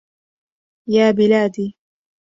يا بلادي